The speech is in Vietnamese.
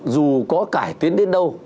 dù có cải tiến đến đâu